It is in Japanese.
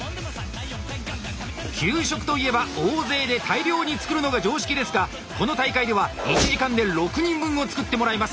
給食といえば大勢で大量に作るのが常識ですがこの大会では１時間で６人分を作ってもらいます。